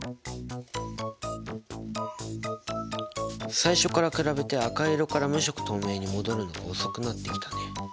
最初から比べて赤色から無色透明に戻るのが遅くなってきたね。